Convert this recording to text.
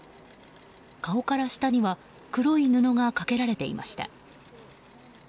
顔から下には黒い布がかけられていました。